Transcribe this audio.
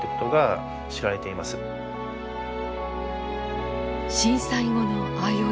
震災後の相生橋。